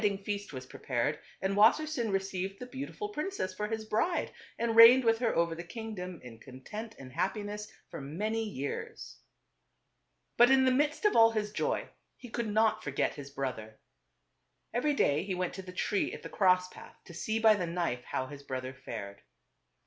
jj. ding f ea st was prepared and Wassersein received the beautiful princess for his bride, and reigned with her over the kingdom in content and happiness for many years. But in the midst of all his joy, he could not forget his brother. Every day he went to the tree at the cross path to see by the knife how his brother fared. TWO BROTHERS.